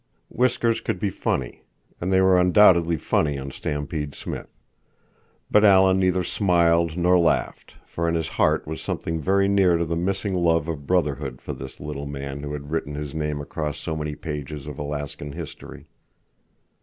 Whiskers could be funny. And they were undoubtedly funny on Stampede Smith. But Alan neither smiled nor laughed, for in his heart was something very near to the missing love of brotherhood for this little man who had written his name across so many pages of Alaskan history.